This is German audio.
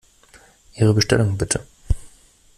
Ihre Bestellung, bitte!